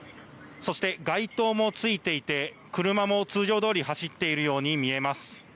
そして街灯もついていて車も通常どおり走っているように見えます。